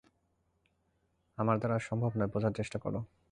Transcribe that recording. আমার দ্বারা আর সম্ভব নয়, বোঝার চেষ্টা করো।